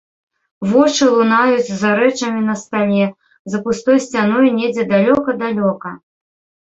Вочы лунаюць за рэчамі на стале, за пустой сцяной недзе далёка-далёка.